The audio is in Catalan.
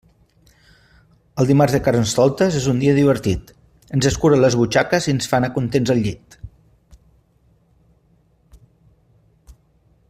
El dimarts de Carnestoltes és un dia divertit: ens escura les butxaques i ens fa anar contents al llit.